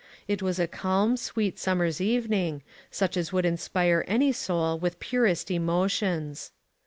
It was a calm, sweet summer's evening, such as would inspire any soul with purest emotions.